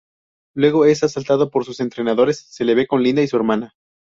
Luego es asaltado por sus entrenadores, se le ve con Linda, su hermana.